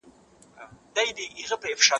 کمپيوټر خاطرات خوندي کوي.